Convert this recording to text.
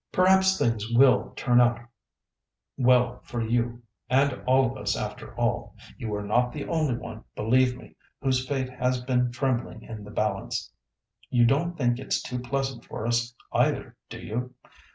"Perhaps things will turn out well for you and all of us after all. You are not the only one, believe me, whose fate has been trembling in the balance. You don't think it's too pleasant for us either, do you?